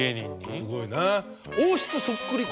すごいな。